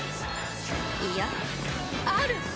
いやある！